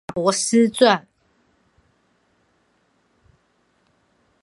賈伯斯傳